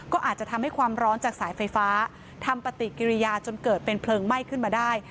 ก็อาจจะทำให้ความร้อนจากสายไฟฟ้าทำปฏิกิริยาจนเกิดเป็นเพลิงไหม้ขึ้นมาได้